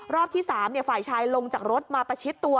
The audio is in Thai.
รอบที่สามเนี่ยฝ่ายชายลงจากรถมาประชิดตัว